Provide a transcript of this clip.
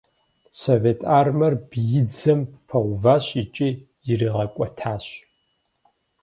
Совет Армэр биидзэм пэуващ икӏи иригъэкӏуэтащ.